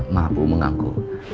maaf bu menganggu